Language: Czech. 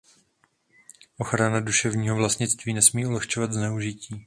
Ochrana duševního vlastnictví nesmí ulehčovat zneužití.